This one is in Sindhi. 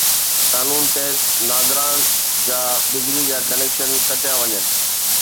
قانون تحت نادارن جا بجلي جا ڪنيڪشن ڪٽيا وڃن